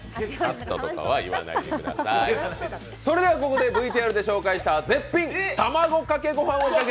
ここでＶＴＲで紹介した絶品たまごかけ